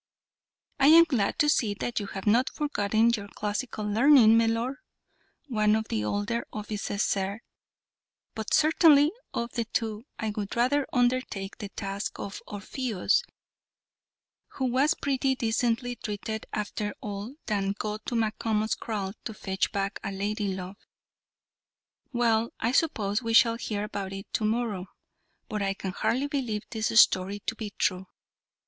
"I am glad to see that you have not forgotten your classical learning, Mellor," one of the older officers said, "but certainly, of the two, I would rather undertake the task of Orpheus, who was pretty decently treated after all, than go to Macomo's kraal to fetch back a lady love. Well, I suppose we shall hear about it to morrow, but I can hardly believe this story to be true.